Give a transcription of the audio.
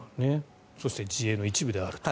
そして自衛の一部であると。